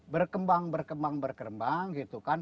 berkembang berkembang berkembang gitu kan